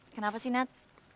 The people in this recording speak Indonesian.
kenapa sih nad